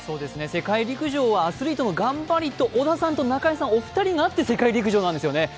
世界陸上はアスリートの頑張りと、織田さん、中井さんお二人があって世界陸上なんですよね。